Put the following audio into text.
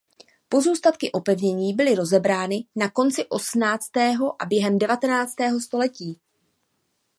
Pozůstatky opevnění byly rozebrány na konci osmnáctého a během devatenáctého století.